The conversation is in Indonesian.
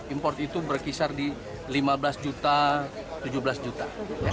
impor itu berkisar di rp lima belas juta rp tujuh belas juta